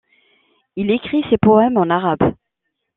Il écrit ses poèmes en arabe.